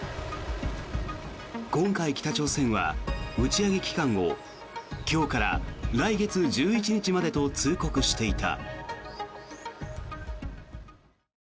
今回、北朝鮮は打ち上げ期間を今日から来月１１日までと通告していた。